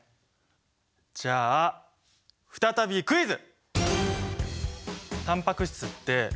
じゃあ再びクイズ！